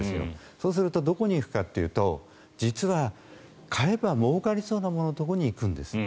そうするとどこに行くかというと実は買えばもうかりそうなもののところに行くんです。